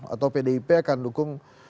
atau pdip akan dukung